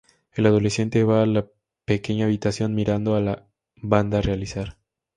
El adolescente va a la pequeña habitación mirando a la banda realizar.